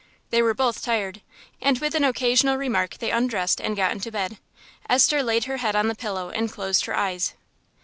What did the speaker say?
They were both tired, and with an occasional remark they undressed and got into bed. Esther laid her head on the pillow and closed her eyes....